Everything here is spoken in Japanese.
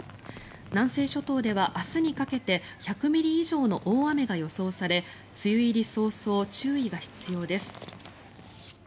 南西諸島では明日にかけて１００ミリ以上の大雨が予想され梅雨入り早々注意が必要です。